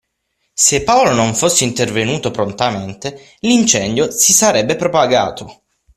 Se Paolo non fosse intervenuto prontamente, l'incendio si sarebbe propagato.